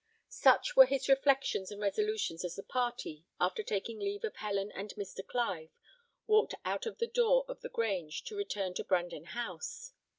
Such were his reflections and resolutions as the party, after taking leave of Helen and Mr. Clive, walked out of the door of the Grange to return to Brandon House.